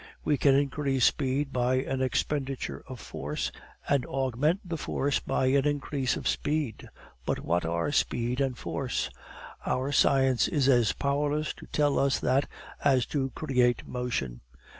We can increase speed by an expenditure of force, and augment the force by an increase of speed. But what are speed and force? Our science is as powerless to tell us that as to create motion.